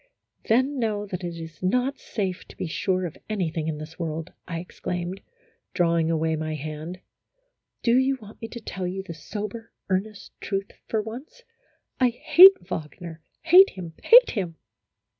" Then, know that it is not safe to be sure of any thing in this world," I exclaimed, drawing away my 3<D A HYPOCRITICAL ROMANCE. hand. "Do you want me to tell you the sober, earnest truth for once, I hate Wagner hate him hate him